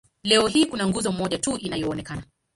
Leo hii kuna nguzo moja tu inayoonekana.